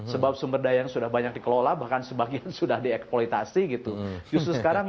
sebab sumber daya yang sudah banyak dikelola bahkan sebagian sudah dieksploitasi gitu justru